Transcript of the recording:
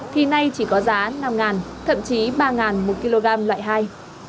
khi nay chỉ có giá năm ngàn thậm chí ba ngàn một kg loại hai